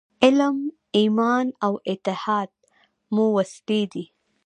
علم، ایمان او اتحاد مو وسلې دي.